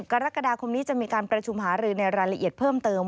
กรกฎาคมนี้จะมีการประชุมหารือในรายละเอียดเพิ่มเติม